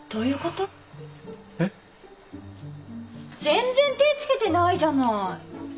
全然手ぇつけてないじゃない！